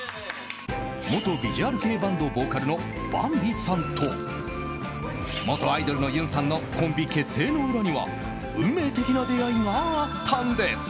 元ビジュアル系バンドボーカルのヴァンビさんと元アイドルのゆんさんのコンビ結成の裏には運命的な出会いがあったんです。